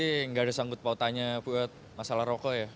saya nggak ada sanggup mau tanya buat masalah rokok ya